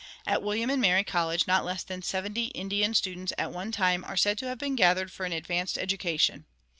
At William and Mary College not less than seventy Indian students at one time are said to have been gathered for an advanced education.